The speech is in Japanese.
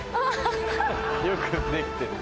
よくできてるね。